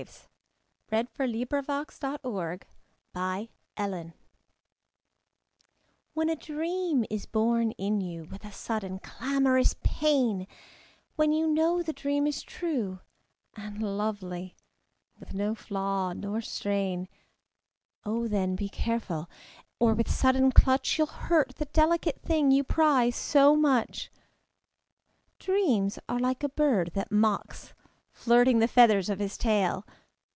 Q R . S T . U V . W X . Y Z A Pinch of Salt WHEN a dream is born in you With a sudden clamorous pain, When you know the dream is true And lovely, with no flaw nor strain, O then, be careful, or with sudden clutch You'll hurt the delicate thing you prize so much. Dreams are like a bird that mocks, Flirting the feathers of his tail.